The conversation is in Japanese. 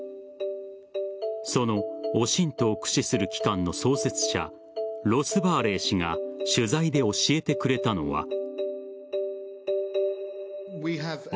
そのＯＳＩＮＴを駆使する機関の創設者ロス・バーレイ氏が取材で教えてくれたのは。